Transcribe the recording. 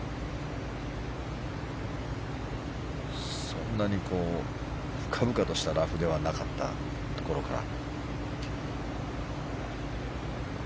そんなに深々としたラフではなかったところから。